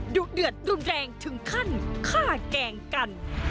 ดุเดือดรุนแรงถึงขั้นฆ่าแกล้งกัน